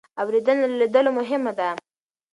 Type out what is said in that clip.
اورېدنه له لیدلو مهمه ده.